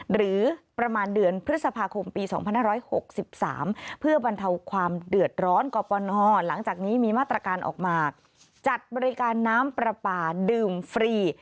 หรือประมาณเดือนพฤษภาคมปี๒๖๖๓